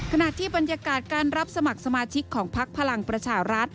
ขณะที่บรรยากาศการรับสมัครสมาชิกของพักพลังประชารัฐ